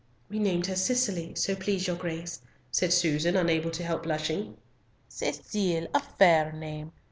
"We named her Cicely, so please your Grace," said Susan, unable to help blushing. "Cecile, a fair name.